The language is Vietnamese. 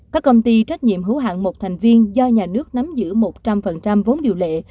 các công ty trách nhiệm hữu hạng một thành viên do nhà nước nắm giữ một trăm linh vốn điều lệ